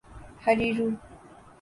ہریرو